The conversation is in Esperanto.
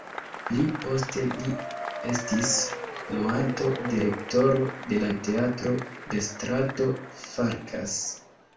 Pli poste li estis luanto-direktoro de la Teatro de strato Farkas.